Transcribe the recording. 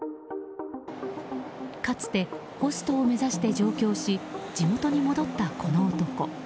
かつてホストを目指して上京し地元に戻ったこの男。